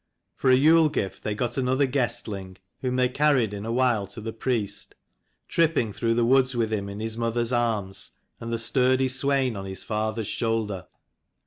For a Yule gift they got another guestling, whom they carried in a while to the priest, tripping through the woods with him in his mother's arms, and the sturdy Swein on his father's shoulder.